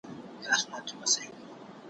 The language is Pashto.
زما او ستا دي له دې وروسته شراکت وي